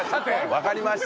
わかりましたよ